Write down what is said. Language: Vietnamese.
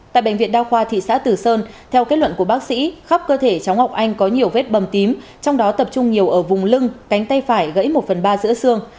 tại bệnh viện đa khoa thị xã tử sơn theo kết luận của bác sĩ khắp cơ thể cháu ngọc anh có nhiều vết bầm tím trong đó tập trung nhiều ở vùng lưng cánh tay phải gãy một phần ba giữa xương